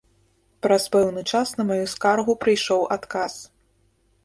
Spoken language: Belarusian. Праз пэўны час на маю скаргу прыйшоў адказ.